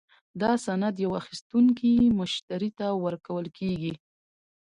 دا سند یو اخیستونکي مشتري ته ورکول کیږي.